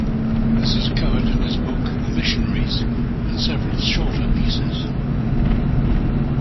This is covered in his book "The Missionaries", and several shorter pieces.